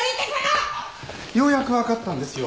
ようやくわかったんですよ